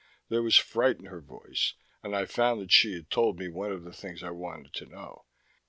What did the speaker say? There was fright in her voice; and I found that she had told me one of the things I wanted to know.